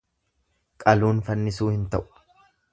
Qaluun fannisuu hin ta'u.